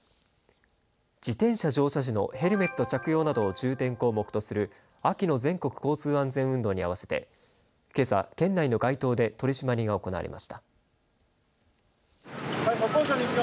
自転車乗車時のヘルメット着用などを重点項目とする秋の全国交通安全運動に合わせてけさ県内の街頭で取締りが行われました。